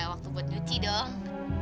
waktu buat nyuci dong